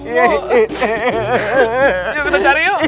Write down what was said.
kita cari yuk